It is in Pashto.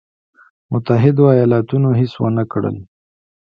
متحدو ایالتونو هېڅ ونه کړل.